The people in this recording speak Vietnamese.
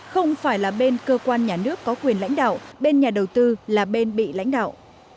không phải là bên cơ quan nhà nước có quyền lãnh đạo bên nhà đầu tư là bên bị lãnh đạo